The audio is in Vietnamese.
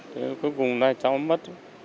thế cuối cùng là cháu mất